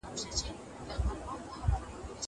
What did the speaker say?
زه به سبا د ښوونځی لپاره امادګي نيسم وم!!